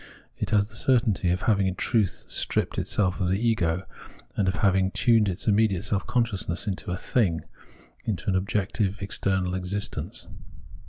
It has the certainty of having in truth stripped itself of its Ego, and of having turned its immediate self consciousness into a " thing," into an objective external existence.